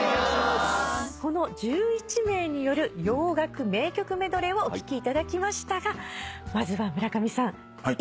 この１１名による洋楽名曲メドレーをお聴きいただきましたがまずは村上さんいかがでしたか？